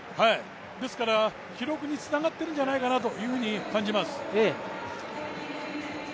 ですから記録につながっているんじゃないかと感じます。